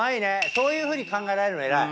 そういうふうに考えられるの偉い。